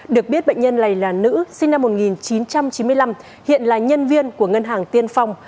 được biết bệnh nhân này là nữ sinh năm một nghìn chín trăm chín mươi năm hiện là nhân viên của ngân hàng tiên phong